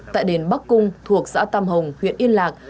tại đền bắc cung thuộc xã tam hồng huyện yên lạc